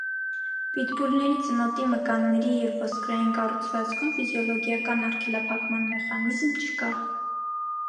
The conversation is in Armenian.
Պիտբուլների ծնոտի մկանների և ոսկրային կառուցվածքում ֆիզիոլոգիական «արգելափակման մեխանիզմ» չկա։